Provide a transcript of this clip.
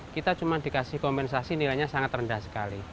kita cuma dikasih kompensasi nilainya sangat rendah sekali